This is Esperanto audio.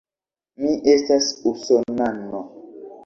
Mi estas usonano.